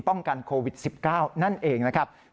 ป้องกันโควิด๑๙นั่นเองนะครับ